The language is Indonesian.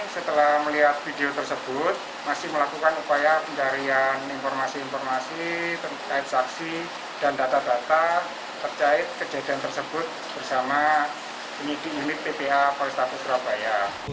setelah melihat video tersebut masih melakukan upaya pencarian informasi informasi terkait saksi dan data data terkait kejadian tersebut bersama penyidik unit ppa polrestabes surabaya